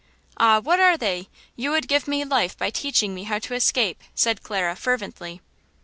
"Ah! what are they? You would give me life by teaching me how to escape!" said Clara, fervently.